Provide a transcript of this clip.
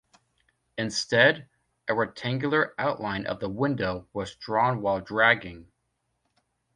Instead, a rectangular outline of the window was drawn while dragging.